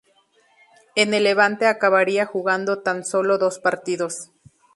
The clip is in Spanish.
En el Levante acabaría jugando tan solo dos partidos.